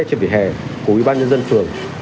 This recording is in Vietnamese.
trên vỉa hè của ubnd phường